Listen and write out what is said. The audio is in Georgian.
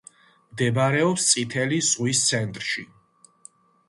მდებარეობს წითელი ზღვის ცენტრში.